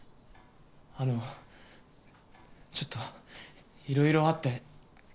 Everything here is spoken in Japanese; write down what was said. あのちょっといろいろあって。